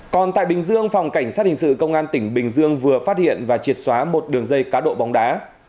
còn tại bình dương phòng cảnh sát hình sự công an tỉnh bình dương vừa phát hiện và triệt xóa một đường dây cá độ bóng đá